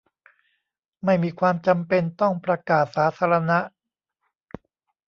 ไม่มีความจำเป็นต้องประกาศสาธารณะ